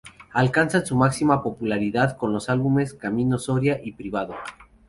Alcanzan su máxima popularidad con los álbumes Camino Soria y Privado.